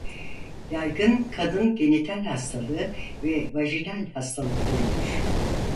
Yaygın kadın genital hastalığı ve vajinal hastalık türüdür.